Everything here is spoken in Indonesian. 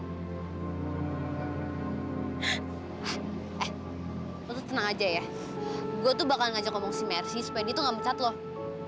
eh lo tuh tenang aja ya gue tuh bakal ngajak omong si mercy supaya dia tuh nggak mecat lo ya